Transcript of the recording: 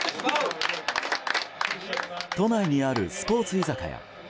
都内にあるスポーツ居酒屋。